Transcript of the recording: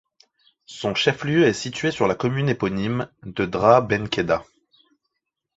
Son chef-lieu est situé sur la commune éponyme de Draâ Ben Khedda.